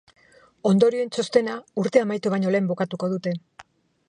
Ondorioen txostena urtea amaitu baino lehen bukatuko dute.